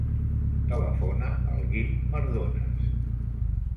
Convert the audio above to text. Telefona al Guim Mardones.